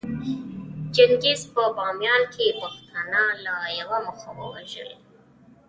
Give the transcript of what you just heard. چنګېز په باميان کې پښتانه له يوه مخه ووژل